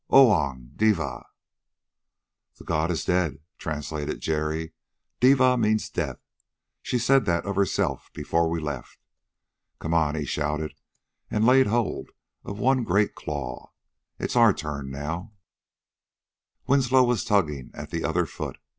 Oong devah!_" "The god is dead," translated Jerry. "Devah means death; she said that of herself before we left. Come on!" he shouted, and laid hold of one great claw. "It's our turn now." Winslow was tugging at the other foot.